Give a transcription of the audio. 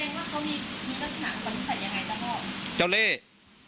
มีลักษณะของบริษัทยังไงเจ้าพ่อ